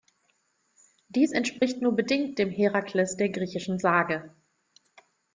Dies entspricht nur bedingt dem Herakles der griechischen Sage.